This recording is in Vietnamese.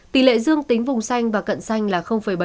tỷ lệ dương tính vùng xanh và cận xanh là bảy